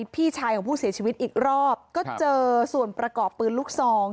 พี่ชายของผู้เสียชีวิตอีกรอบก็เจอส่วนประกอบปืนลูกซอง